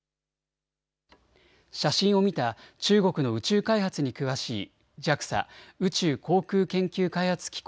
写真を見た中国の宇宙開発に詳しいＪＡＸＡ・宇宙航空研究開発機構